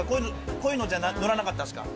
こういうのは乗らなかったです。